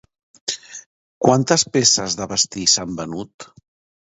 Quantes peces de vestir s'han venut?